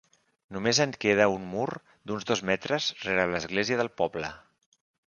Només en queda un mur d'uns dos metres rere l'església del poble.